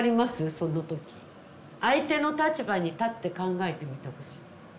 その時相手の立場に立って考えてみてほしい。